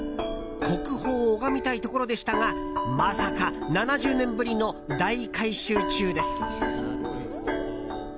国宝を拝みたいところでしたがまさか７０年ぶりの大改修中です。